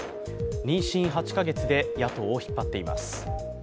妊娠８か月で野党を引っ張っています。